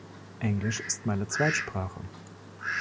Englisch ist meine Zweitsprache.